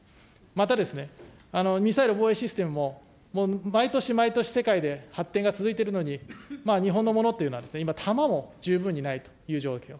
またですね、ミサイル防衛システムも毎年毎年、世界で発展が続いているのに、日本のものっていうのはですね、今、弾も十分にないという状況。